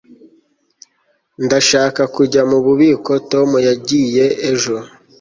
ndashaka kujya mububiko tom yagiye ejo